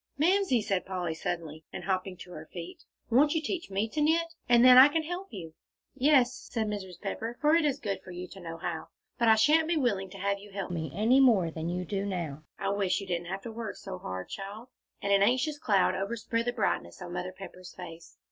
"Mamsie," said Polly, suddenly, and hopping to her feet, "won't you teach me to knit, and then I can help you." "Yes," said Mrs. Pepper; "for it's good for you to know how. But I shan't be willing to have you help me any more than you do now. I wish you didn't have to work so hard, child," and an anxious cloud overspread the brightness on Mother Pepper's face.